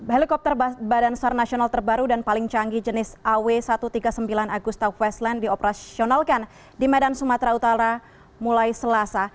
helikopter badan sar nasional terbaru dan paling canggih jenis aw satu ratus tiga puluh sembilan agusta westland dioperasionalkan di medan sumatera utara mulai selasa